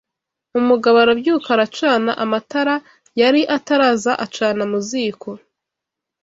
Umugabo arabyuka aracana amatara yari ataraza acana mu ziko